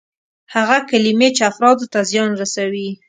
هغه کلمې چې افرادو ته زیان رسوي.